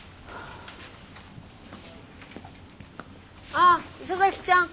ああ磯崎ちゃん。